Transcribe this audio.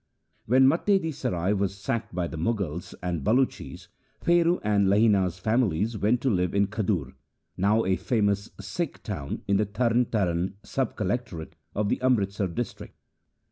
When Matte di Sarai was sacked by the Mughals and Baloches, Pheru and Lahina's families went to live in Khadur, now a famous Sikh town in the Tarn Taran sub collectorate of the Amritsar district.